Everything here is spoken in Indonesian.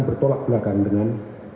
bertolak belakang dengan